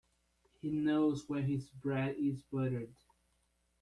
He knows where his bread is buttered.